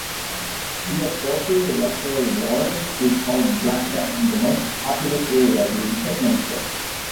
The appropriate electoral ward is called 'Blackdown', the most populous area being 'Pitminster'.